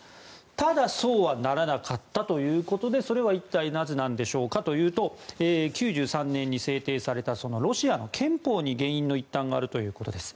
ただ、そうはならなかったということでそれは一体なぜなんでしょうかというと９３年に制定されたロシアの憲法に原因の一端があるということです。